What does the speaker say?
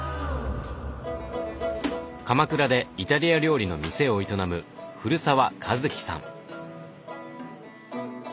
鎌倉でイタリア料理の店を営む古澤一記さん。